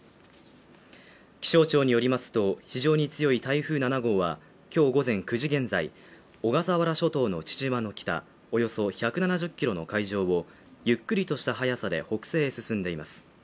気象庁によりますと非常に強い台風７号はきょう午前９時現在小笠原諸島の父島の北およそ１７０ｋｍの海上をゆっくりとした速さで北西へ進んでいます